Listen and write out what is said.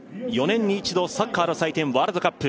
４年に一度、サッカーの祭典ワールドカップ。